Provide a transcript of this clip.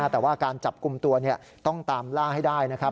แต่ว่าการจับกลุ่มตัวต้องตามล่าให้ได้นะครับ